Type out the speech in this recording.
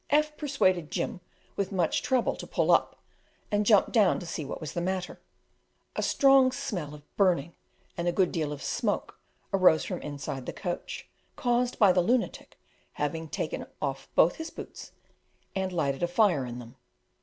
F persuaded Jim with much trouble to pull up, and jumped down to see what was the matter. A strong smell of burning and a good deal of smoke arose from inside the coach, caused by the lunatic having taken off both his boots and lighted a fire in them.